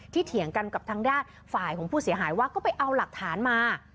เถียงกันกับทางด้านฝ่ายของผู้เสียหายว่าก็ไปเอาหลักฐานมา